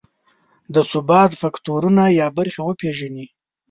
د ثبات فکټورونه یا برخې وپېژني.